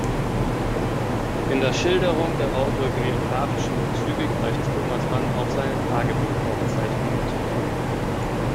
In der Schilderung der autobiographischen Bezüge greift Thomas Mann auf seine Tagebuchaufzeichnungen zurück.